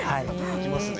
生きますね。